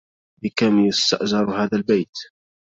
بكم يُستأجر هذا البيت؟